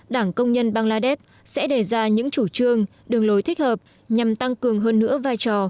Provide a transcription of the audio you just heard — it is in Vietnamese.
đảng công nhân bangladesh sẽ đề ra những chủ trương đường lối thích hợp nhằm tăng cường hơn nữa vai trò